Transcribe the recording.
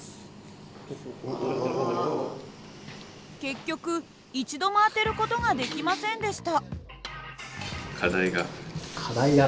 結局一度も当てる事ができませんでした。